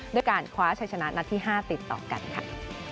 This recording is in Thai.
ด้วยการคว้าชัยชนะนัดที่๕ติดต่อกันค่ะ